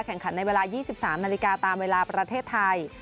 แข่งขันในเวลา๒๓นาฬิกาตามเวลาประเทศไทย